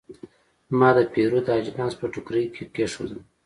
ما د پیرود اجناس په ټوکرۍ کې کېښودل.